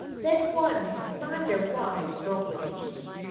Said one, neither wise nor witty.